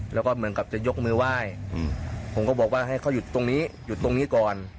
แล้วก็เหมือนกับจะยกมือไหว้ผมก็บอกว่าให้เขาหยุดตรงนี้หยุดตรงนี้ก่อน